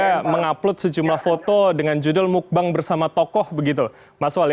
misalnya mengupload sejumlah foto dengan judul mukbang bersama tokoh begitu mas wali